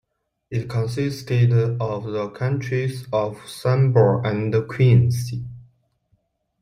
It consisted of the counties of Sunbury and Queen's.